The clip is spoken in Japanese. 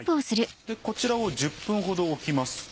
こちらを１０分ほど置きます。